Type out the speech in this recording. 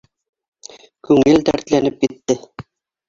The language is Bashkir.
Күңел дәртләнеп китте.